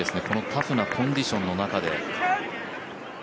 このタフなコンディションの中で。